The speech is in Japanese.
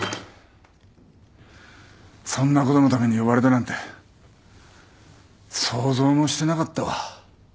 そんなことのために呼ばれたなんて想像もしてなかったわ。